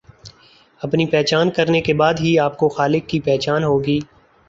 اپنی پہچان کرنے کے بعد ہی آپ کو خالق کی پہچان ہوگی